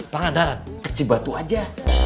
pang adarat ke cibatu aja